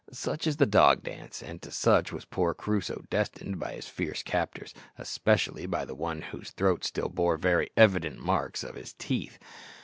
Such is the dog dance, and to such was poor Crusoe destined by his fierce captors, especially by the one whose throat still bore very evident marks of his teeth.